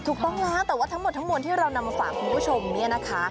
ถูกต้องแล้วแต่ว่าทั้งหมดทั้งมวลที่เรานำมาฝากคุณผู้ชมเนี่ยนะคะ